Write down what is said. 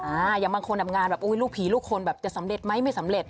อย่างบางคนอ่ะงานแบบอุ้ยลูกผีลูกคนแบบจะสำเร็จไหมไม่สำเร็จ